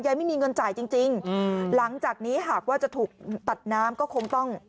ไม่มีเงินจ่ายจริงจริงอืมหลังจากนี้หากว่าจะถูกตัดน้ำก็คงต้อง